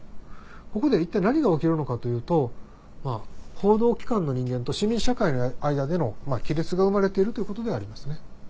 ここで一体何が起きるのかというと報道機関の人間と市民社会の間での亀裂が生まれてるということでありますね。